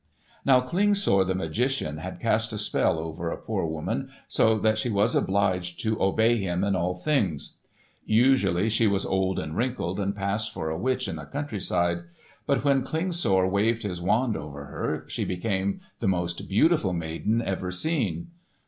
Now Klingsor the magician had cast a spell over a poor woman so that she was obliged to obey him in all things. Usually she was old and wrinkled, and passed for a witch in the countryside. But when Klingsor waved his wand over her she became the most beautiful maiden ever seen.